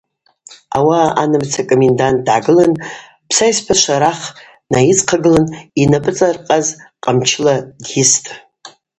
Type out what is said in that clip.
Ауаъа анамыца комендант дгӏагылын, псайспа Шварах днайыдзхъагылын йнапӏыцӏархъаз къамчыла дйыстӏ.